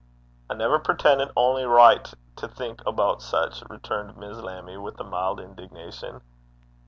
'I never preten't ony richt to think aboot sic,' returned Miss Lammie, with a mild indignation.